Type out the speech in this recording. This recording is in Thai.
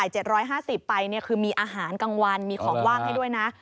๗๕๐ไปเนี่ยคือมีอาหารกลางวันมีของว่างให้ด้วยนะ